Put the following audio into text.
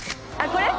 これ？